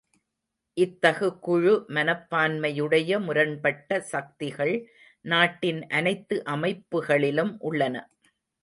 இத்தகு குழு மனப்பான்மையுடைய முரண்பட்ட சக்திகள் நாட்டின் அனைத்து அமைப்புகளிலும் உள்ளன.